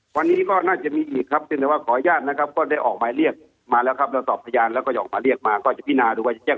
วันนี้น่าจะมีอีกเพราะ